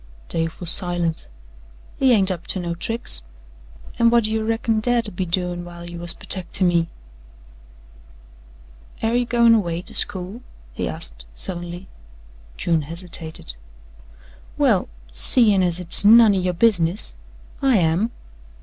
Dave was silent. "He ain't up to no tricks. An' whut do you reckon Dad 'ud be doin' while you was pertecting me?" "Air ye goin' away to school?" he asked suddenly. June hesitated. "Well, seein' as hit's none o' yo' business I am."